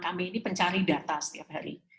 kami ini pencari data setiap hari